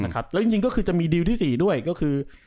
แล้วจริงก็คือจะมีดีลที่๔ด้วยก็คือ